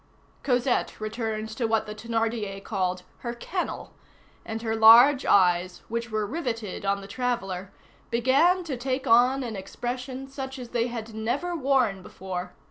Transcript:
Cosette returned to what the Thénardier called "her kennel," and her large eyes, which were riveted on the traveller, began to take on an expression such as they had never worn before.